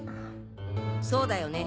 そうだよね？